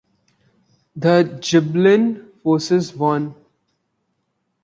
The Ghibelline forces won.